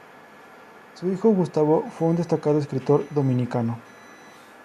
Su hijo Gustavo fue un destacado escritor dominicano.